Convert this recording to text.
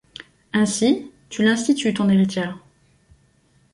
Ainsi, tu l’institues ton héritière?